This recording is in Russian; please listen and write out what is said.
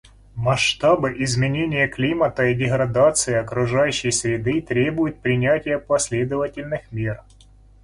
Масштабы изменения климата и деградации окружающей среды требуют принятия последовательных мер.